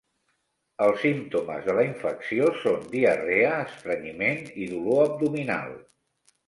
Els símptomes de la infecció són diarrea, estrenyiment i dolor abdominal.